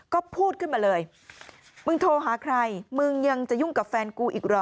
ก็พูดขึ้นมาเลยมึงโทรหาใครมึงยังจะยุ่งกับแฟนกูอีกเหรอ